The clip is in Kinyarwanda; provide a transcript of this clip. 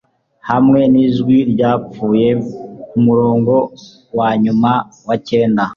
Hamwe nijwi ryapfuye kumurongo wanyuma wa cyenda